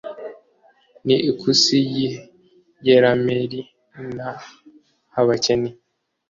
n’ikusi h’i yerameli n’ah’abakeni”